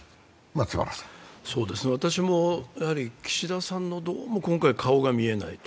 私も、岸田さんのどうも今回顔が見えない。